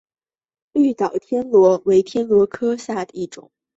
绿岛天螺为天螺科天螺属下的一个种。